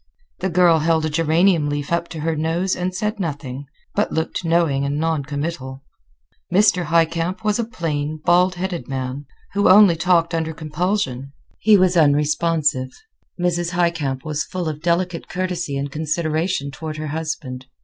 The girl held a geranium leaf up to her nose and said nothing, but looked knowing and noncommittal. Mr. Highcamp was a plain, bald headed man, who only talked under compulsion. He was unresponsive. Mrs. Highcamp was full of delicate courtesy and consideration toward her husband.